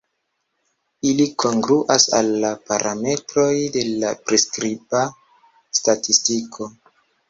Ili kongruas al la "parametroj" de la priskriba statistiko.